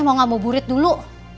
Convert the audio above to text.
mau gak mau burit dulu